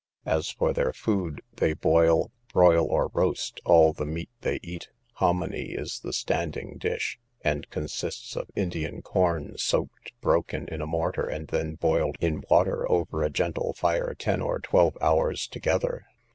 As for their food they boil, broil, or roast, all the meat they eat; honomy is the standing dish, and consists of Indian corn soaked, broken in a mortar, and then boiled in water over a gentle fire ten or twelve hours together.